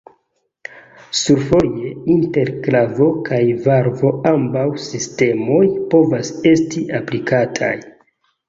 Survoje inter klavo kaj valvo ambaŭ sistemoj povas esti aplikataj.